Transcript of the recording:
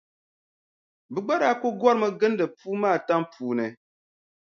Bɛ gba daa kuli gɔrimi n-gindi puu maa tam puuni.